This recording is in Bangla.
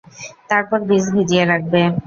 তারপর বীজ ভিজিয়ে রাখবে।